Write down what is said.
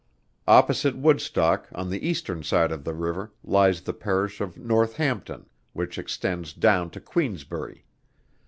Opposite Woodstock on the eastern side of the river lies the Parish of Northampton, which extends down to Queensbury.